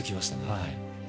はい。